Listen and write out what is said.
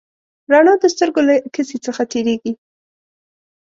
رڼا د سترګو له کسي څخه تېرېږي.